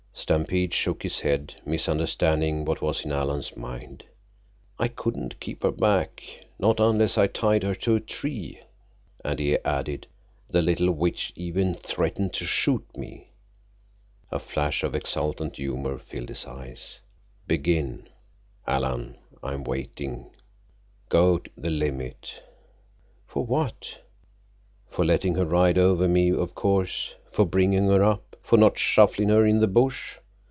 Stampede shook his head, misunderstanding what was in Alan's mind. "I couldn't keep her back, not unless I tied her to a tree." And he added, "The little witch even threatened to shoot me!" A flash of exultant humor filled his eyes. "Begin, Alan. I'm waiting. Go the limit." "For what?" "For letting her ride over me, of course. For bringing her up. For not shufflin' her in the bush.